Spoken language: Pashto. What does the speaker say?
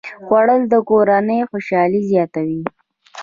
خوړل د کورنۍ خوشالي زیاته وي